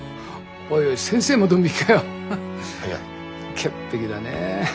潔癖だねえ！